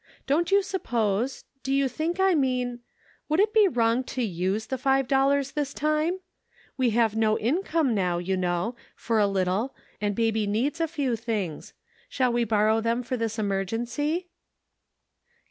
Don't you suppose — do you think I mean — would it be wrong to use the five dollars this time ? We have no income now, you know, for a little, and baby needs a few things. Shall we borrow them for this emer gency